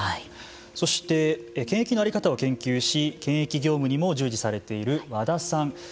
そして検疫の在り方を研究し検疫業務にも従事されている和田さん。